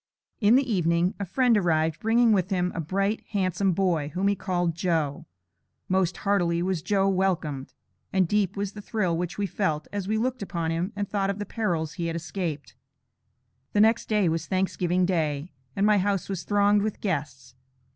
] In the evening a friend arrived, bringing with him a bright, handsome boy, whom he called Joe. Most heartily was "Joe" welcomed, and deep was the thrill which we felt, as we looked upon him and thought of the perils he had escaped. The next day was Thanksgiving day, and my house was thronged with guests.